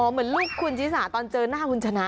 เหมือนลูกคุณชิสาตอนเจอหน้าคุณชนะ